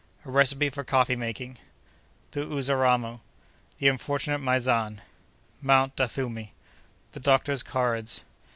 —A Recipe for Coffee making.—The Uzaramo.—The Unfortunate Maizan.—Mount Dathumi.—The Doctor's Cards.